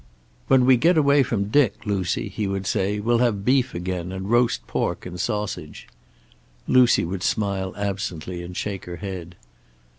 "When we get away from Dick, Lucy," he would say, "we'll have beef again, and roast pork and sausage." Lucy would smile absently and shake her head.